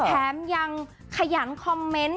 แถมยังขยันคอมเมนต์